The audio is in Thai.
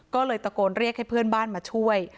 ก็เลยตะโกนเรียกให้เพื่อนบ้านมาช่วย